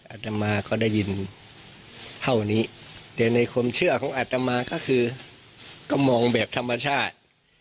อาตมาก็ได้ยินเท่านี้แต่ในความเชื่อของอัตมาก็คือก็มองแบบธรรมชาติ